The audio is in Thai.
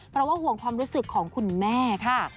เพราะว่าห่วงความรู้สึกของคุณแม่ค่ะ